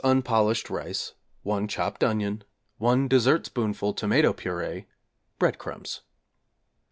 unpolished rice, 1 chopped onion, 1 dessertspoonful tomato purée, breadcrumbs.